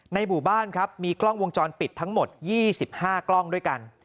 หมู่บ้านครับมีกล้องวงจรปิดทั้งหมด๒๕กล้องด้วยกัน